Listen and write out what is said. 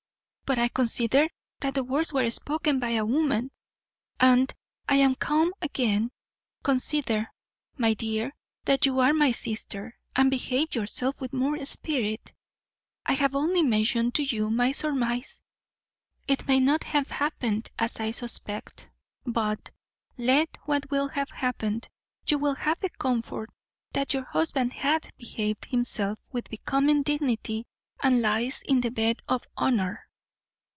But I consider that the words were spoken by a woman, and I am calm again. Consider, my dear, that you are my sister, and behave yourself with more spirit. I have only mentioned to you my surmise. It may not have happened as I suspect; but, let what will have happened, you will have the comfort that your husband hath behaved himself with becoming dignity, and lies in the bed of honour."